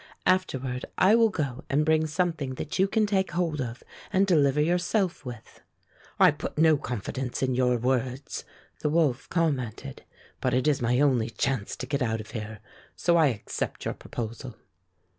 After ward I will go and bring something that you can take hold of and deliver yourself with." • "I put no confidence in your words," the wolf commented, "but it is my only chance to get out of here. So I accept your proposal."